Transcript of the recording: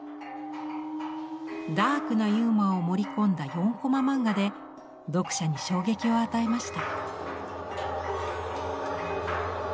ダークなユーモアを盛り込んだ４コマ漫画で読者に衝撃を与えました。